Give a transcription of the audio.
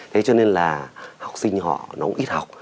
thế cho nên là học sinh họ nó cũng ít học